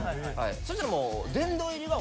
そしたらもう。